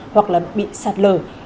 hoặc là bị sạt lở